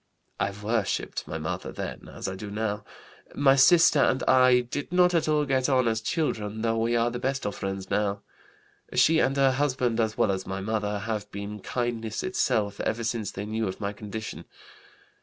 I worshipped my mother then, as I do now. My sister and I did not at all get on as children, though we are the best of friends now. She and her husband as well as my mother have been kindness itself ever since they knew of my condition.